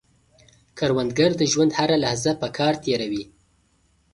کروندګر د ژوند هره لحظه په کار تېروي